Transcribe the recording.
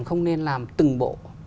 không nên làm từng bộ